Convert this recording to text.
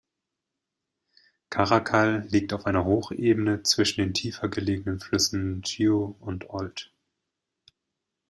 Caracal liegt auf einer Hochebene zwischen den tiefer gelegenen Flüssen Jiu und Olt.